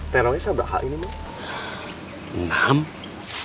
teroknya berapa ini mams